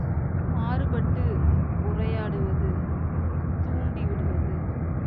மாறுபட்டு உரையாடுவது, தூண்டிவிடுவது.